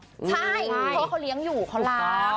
ใช่เพราะเขาเลี้ยงอยู่เขารัก